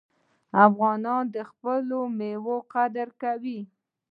افغانان د خپلو میوو قدر کوي.